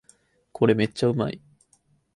これめっちゃうまい